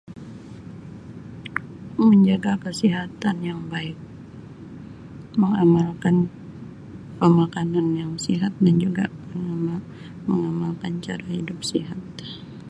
Menjaga kesihatan yang baik mengamalkan pemakanan yang sihat dan juga mengamal-mengamalkan cara hidup sihat.